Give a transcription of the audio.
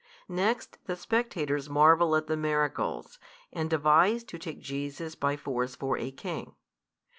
Next the spectators marvel at the miracles, and devise to take Jesus by force for a king.